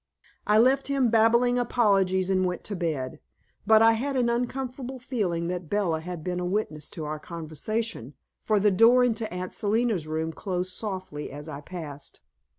I left him babbling apologies and went to bed, but I had an uncomfortable feeling that Bella had been a witness to our conversation, for the door into Aunt Selina's room closed softly as I passed.